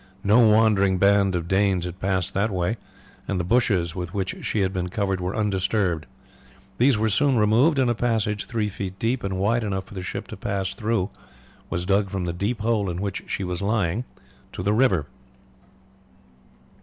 No wandering band of Danes had passed that way, and the bushes with which she had been covered were undisturbed. These were soon removed and a passage three feet deep, and wide enough for the ship to pass through, was dug from the deep hole in which she was lying to the river.